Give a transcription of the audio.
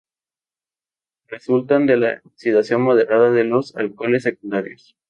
Resultan de la oxidación moderada de los alcoholes secundarios.